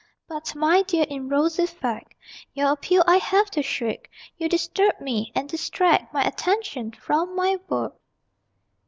But, my dear, in rosy fact Your appeal I have to shirk You disturb me, and distract My attention from my work!